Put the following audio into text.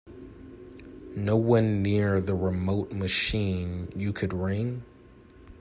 No one near the remote machine you could ring?